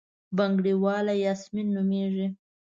بنګړیواله یاسمین نومېږي.